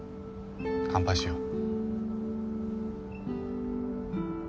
乾杯しよう。